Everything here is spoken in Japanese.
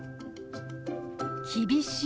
「厳しい」。